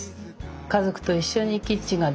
家族と一緒にキッチンができる。